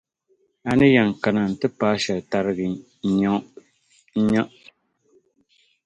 A ni yɛn kana ti paai shɛli tariga n-yɛn bɔŋɔ; di tirisi tooni.